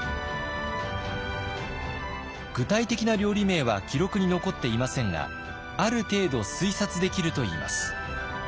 具体的な料理名は記録に残っていませんがある程度推察できるといいます。